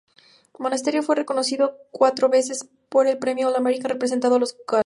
Monasterio fue reconocido cuatro veces con el premio All-America representado a los Gators.